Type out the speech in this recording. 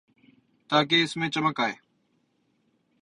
تاکہ اس میں چمک آئے۔